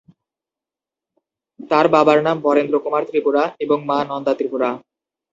তার বাবার নাম বরেন্দ্র কুমার ত্রিপুরা এবং মা নন্দা ত্রিপুরা।